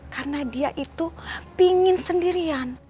karena dia itu pingin sendirian